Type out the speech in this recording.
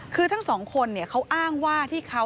คือทั้งสองคนเขาอ้างว่าที่เขา